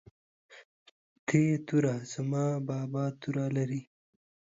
ت توره زما بابا توره لري